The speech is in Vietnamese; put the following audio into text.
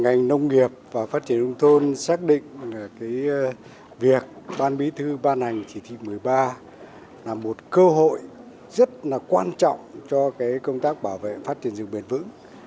ngành nông nghiệp và phát triển đông thôn xác định việc ban bí thư ban hành chỉ thị một mươi ba là một cơ hội rất là quan trọng cho công tác bảo vệ phát triển rừng bền vững